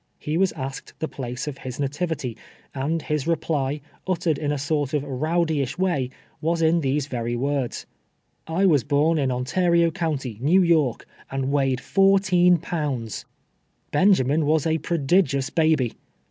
lie was asked the place of his na tivity, and his reply, uttered in a sort of rowdyisli way, was in these very wtu'ds —" I was born in Ontario county, ISTew York, and weighed fourteen pou>)ds f Benjamin was a prodigious baby